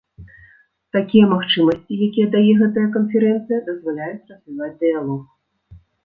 Такія магчымасці, якія дае гэтая канферэнцыя, дазваляюць развіваць дыялог.